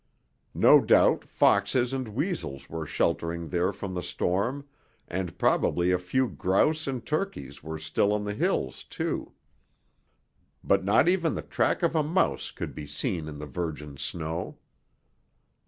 No doubt foxes and weasels were sheltering there from the storm and probably a few grouse and turkeys were still on the hills, too. But not even the track of a mouse could be seen on the virgin snow.